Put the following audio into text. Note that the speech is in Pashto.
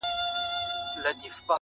ما ته خدای وو دا وړیا نغمت راکړی!